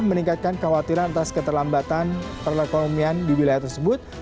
meningkatkan kekhawatiran atas keterlambatan perekonomian di wilayah tersebut